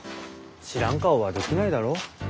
知らん顔はできないだろ？